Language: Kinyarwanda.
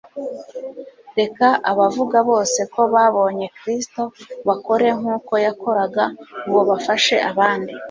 Reka abavuga bose ko babonye Kristo, bakore nk’uko yakoraga ngo bafashe abandi.